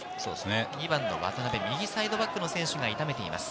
２番・渡邊、右サイドバックの選手が痛めています。